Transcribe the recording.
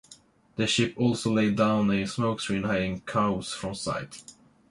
The ship also laid down a smokescreen hiding Cowes from sight.